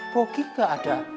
boki gak ada